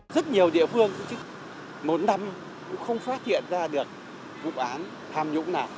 rất nhiều địa phương cũng một năm cũng không phát hiện ra được vụ án tham nhũng nào